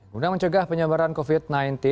guna mencegah penyebaran covid sembilan belas